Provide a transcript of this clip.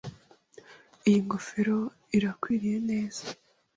Iyi ngofero irankwiriye neza.